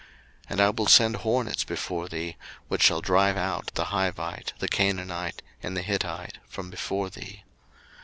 02:023:028 And I will send hornets before thee, which shall drive out the Hivite, the Canaanite, and the Hittite, from before thee.